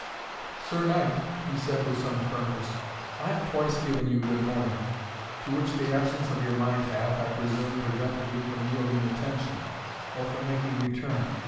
"Sir Knight," he said with some firmness, "I have twice given you good morning, to which the absence of your mind hath, I presume, prevented you from yielding attention, or from making return.